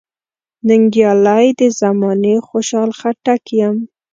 ننګیالی د زمانې خوشحال خټک یم .